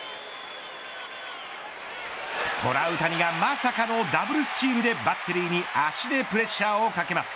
トラウタニがまさかのダブルスチールでバッテリーに足でプレッシャーをかけます。